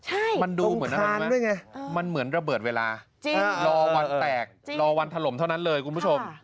ใช่ตรงคารใช่ไหมมันเหมือนระเบิดเวลารอวันแตกรอวันถล่มเท่านั้นเลยคุณผู้ชม